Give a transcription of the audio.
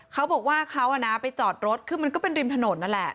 เขาบอกว่าเขาไปจอดรถคือมันก็เป็นริมถนนนั่นแหละ